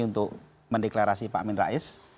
untuk mendeklarasi pak amin rais